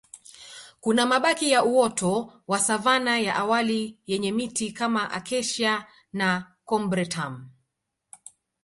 Kuna mabaki ya uoto wa savana ya awali yenye miti kama Acacia na Combretum